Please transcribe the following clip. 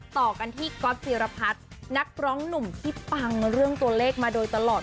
ต่อกันที่ก๊อตจิรพัฒน์นักร้องหนุ่มที่ปังเรื่องตัวเลขมาโดยตลอด